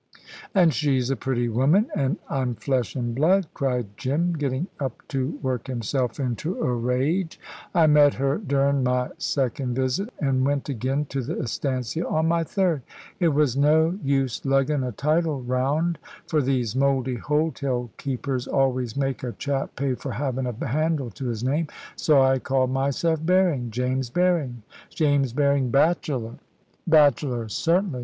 "An' she's a pretty woman, an' I'm flesh an' blood," cried Jim, getting up to work himself into a rage. "I met her durin' my second visit, an' went again to the estancia on my third. It was no use luggin' a title round, for these mouldy hotel keepers always make a chap pay for havin' a handle to his name, so I called myself Berring James Berring." "James Berring, bachelor." "Bachelor, certainly.